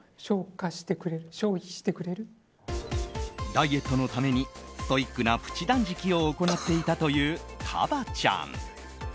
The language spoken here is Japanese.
ダイエットのためにストイックなプチ断食を行っていたというＫＡＢＡ．ちゃん。